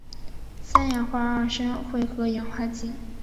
三氧化二砷会和氧化剂。